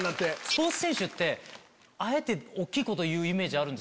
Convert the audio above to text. スポーツ選手ってあえて大きいこと言うイメージある。